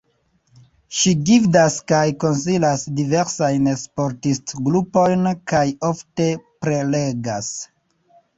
Ŝi gvidas kaj konsilas diversajn sportisto-grupojn kaj ofte prelegas.